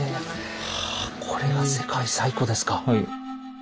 はぁこれが世界最古ですか。